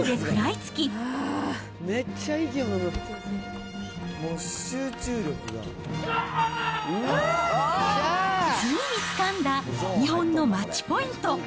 ついにつかんだ日本のマッチポイント。